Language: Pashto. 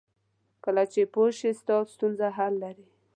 کله چې پوه شې ستا ستونزه حل لري.